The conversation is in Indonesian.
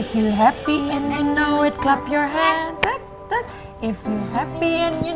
terima kasih ya